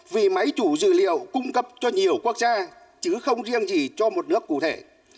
vì máy chủ dự liệu cung cấp cho nhiều quốc gia chứ không riêng gì cho một nước cụ thể